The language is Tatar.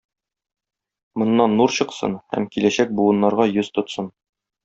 Моннан нур чыксын һәм киләчәк буыннарга йөз тотсын.